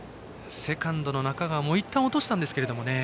セカンドの中川もいったん落としたんですけどね。